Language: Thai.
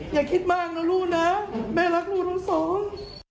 อย่าคิดมากนะลูกนะแม่รักลูกทั้งสอง